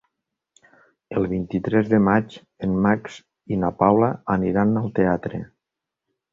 El vint-i-tres de maig en Max i na Paula aniran al teatre.